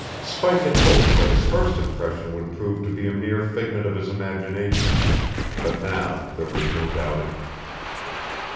Spike had hoped that his first impression would prove to be a mere figment of his imagination; but now there was no doubting.